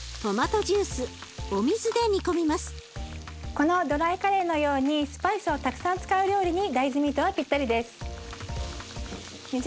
このドライカレーのようにスパイスをたくさん使う料理に大豆ミートはピッタリです。